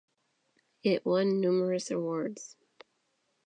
It won numerous awards.